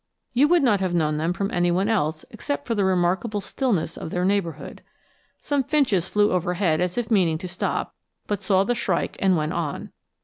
You would not have known them from any one else except for the remarkable stillness of their neighborhood. Some finches flew overhead as if meaning to stop, but saw the shrike and went on.